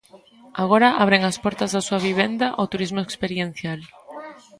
Agora abren as portas da súa vivenda ao turismo experiencial.